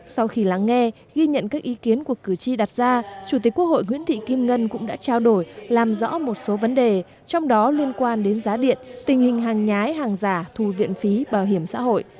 sau khi lắng nghe ghi nhận các ý kiến của cử tri đặt ra chủ tịch quốc hội nguyễn thị kim ngân cũng đã trao đổi làm rõ một số vấn đề trong đó liên quan đến giá điện tình hình hàng nhái hàng giả thu viện phí bảo hiểm xã hội